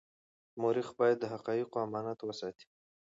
مورخ باید د حقایقو امانت وساتي.